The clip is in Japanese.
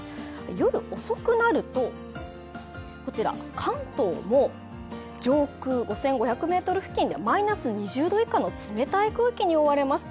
夜遅くなると、関東も上空５５００ｍ付近ではマイナス２０度以下の冷たい空気に覆われます。